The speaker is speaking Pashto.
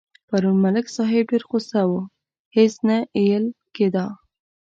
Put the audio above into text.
پرون ملک صاحب ډېر غوسه و هېڅ نه اېل کېدا.